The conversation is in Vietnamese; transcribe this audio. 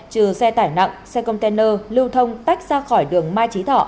trừ xe tải nặng xe container lưu thông tách ra khỏi đường mai trí thọ